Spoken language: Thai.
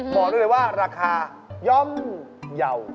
บอกด้วยเลยว่าราคาย่อมเยา